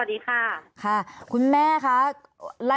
มันเป็นอาหารของพระราชา